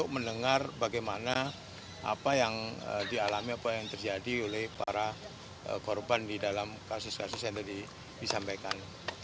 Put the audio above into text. mendengar bagaimana apa yang dialami apa yang terjadi oleh para korban di dalam kasus kasus yang tadi disampaikan